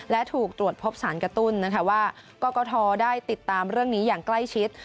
และถูกตรวจพบสารกระตุ้นนะคะว่ากรกฐได้ติดตามเรื่องนี้อย่างใกล้ชิด